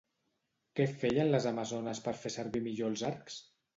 Què feien les amazones per fer servir millor els arcs?